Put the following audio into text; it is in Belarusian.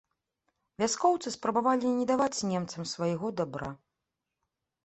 Вяскоўцы спрабавалі не даваць немцам свайго дабра.